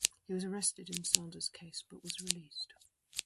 He was arrested in Sanders' case but was released.